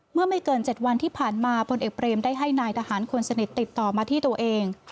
เมื่อไม่เกิน๗วันที่ผ่านมาพลเอกเบรมได้ให้นายทหารคนสนิทติดต่อมาที่ตัวเอง